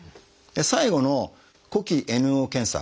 最後の「呼気ＮＯ検査」。